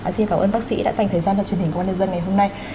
xin cảm ơn bác sĩ đã dành thời gian cho truyền hình của quân nhân dân ngày hôm nay